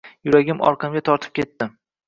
yuragim orqamga tortib ketdi